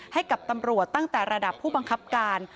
ให้กับตำรวจตั้งแต่ระดับผู้บังคับการ